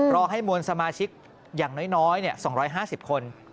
รอให้มวลสมาชิกอย่างน้อย๒๕๐คน